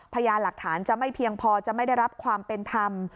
พยานหลักฐานจะไม่เพียงพอจะไม่ได้รับความเป็นธรรม